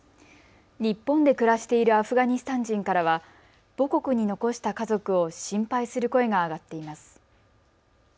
日本で暮らしているアフガニスタン人からは母国に残した家族を心配する声が上がっています。